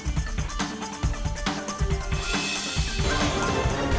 terima kasih mas